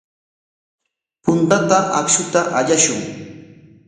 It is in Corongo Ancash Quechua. Puntata akshuta allashun.